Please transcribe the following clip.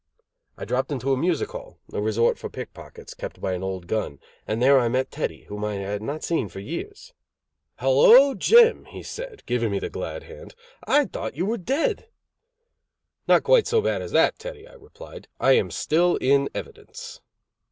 I dropped into a music hall, a resort for pickpockets, kept by an old gun, and there I met Teddy, whom I had not seen for years. "Hello, Jim," he said, giving me the glad hand, "I thought you were dead." "Not quite so bad as that, Teddy," I replied, "I am still in evidence."